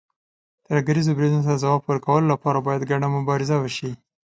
ترهګریزو بریدونو ته د ځواب ورکولو لپاره، باید ګډه مبارزه وشي.